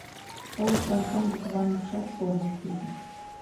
Пылышлан шоҥго куван йӱкшат солныш пуйто.